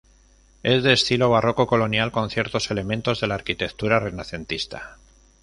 Es del estilo barroco colonial con ciertos elementos de la arquitectura renacentista.